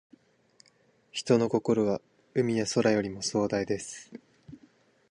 人の心は、海や空よりも壮大です。